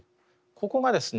ここがですね